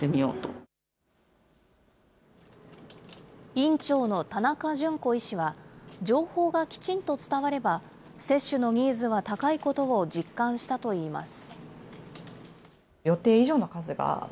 院長の田中純子医師は、情報がきちんと伝われば、接種のニーズは高いことを実感したといいます。